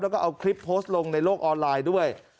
แล้วก็เอาคลิปโพสต์ลงในโลกออนไลน์ด้วย